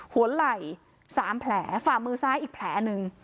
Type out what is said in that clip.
หัวไหล่๓แผลฝ่ามือซ้ายอีกแผลหนึ่ง